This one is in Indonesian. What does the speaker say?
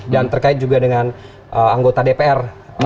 dan terkait juga dengan anggota dpr